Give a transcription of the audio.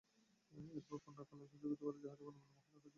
এরপর পণ্য খালাস স্থগিত করে জাহাজটি কর্ণফুলীর মোহনার কাছে ফিরিয়ে আনা হয়।